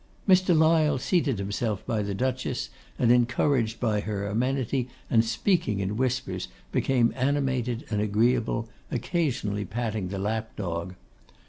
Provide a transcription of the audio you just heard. Mr. Lyle seated himself by the Duchess, and encouraged by her amenity, and speaking in whispers, became animated and agreeable, occasionally patting the lap dog.